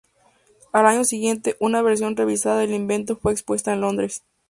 Al año siguiente, una versión revisada del invento fue expuesta en Londres.